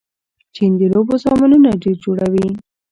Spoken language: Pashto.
چین د لوبو سامانونه ډېر جوړوي.